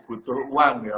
butuh uang ya